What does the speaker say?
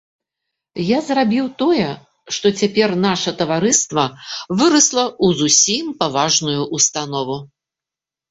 Я зрабіў тое, што цяпер наша таварыства вырасла ў зусім паважную ўстанову.